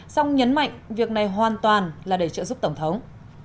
song nhấn mạnh việc này hoàn toàn là để trợ giúp tổng thống